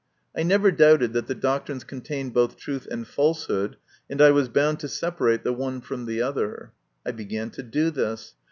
I never doubted that the doctrines contained both truth and falsehood, and I was bound to separate the one from the other. I began to do this.